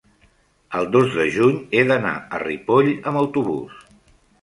el dos de juny he d'anar a Ripoll amb autobús.